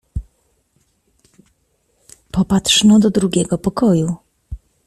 Popatrz no do drugiego pokoju.